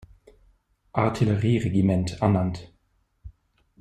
Artillerie-Regiment ernannt.